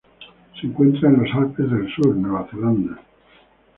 Se encuentra en los Alpes del Sur, Nueva Zelanda.